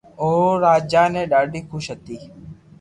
او راجا تي ڌاڌي خوݾ ھتي